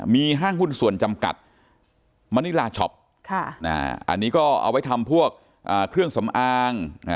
มีห้างหุ้นส่วนจำกัดมณิลาช็อปอันนี้ก็เอาไว้ทำพวกเครื่องสำอาง